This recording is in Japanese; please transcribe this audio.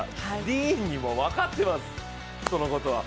ディーンにも分かってます、そのことは。